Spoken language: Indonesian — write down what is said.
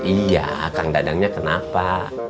iya kang dadangnya kenapa